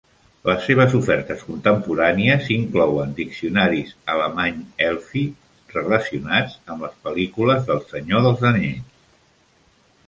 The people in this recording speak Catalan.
Les seves ofertes contemporànies inclouen diccionaris alemany-elfí relacionats amb les pel·lícules del "Senyor dels anells".